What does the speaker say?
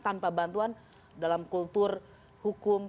tanpa bantuan dalam kultur hukum